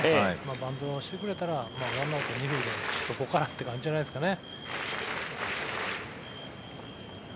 バントをしてくれたら１アウト２塁でそこからという感じじゃないですかね。